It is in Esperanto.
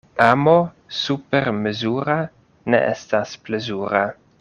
Amo supermezura ne estas plezura.